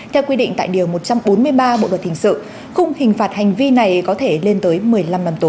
theo quy định tại điều một trăm bốn mươi ba bộ luật hình sự khung hình phạt hành vi này có thể lên tới một mươi năm năm tù